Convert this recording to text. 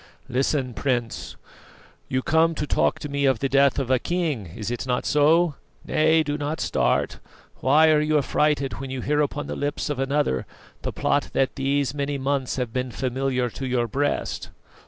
Listen, Prince; you come to talk to me of the death of a king is it not so? Nay do not start. Why are you affrighted when you hear upon the lips of another the plot that these many months has been familiar to your breast?"